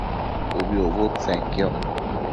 ubi ucbudtsenquioc